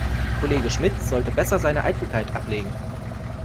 Kollege Schmidt sollte besser seine Eitelkeit ablegen.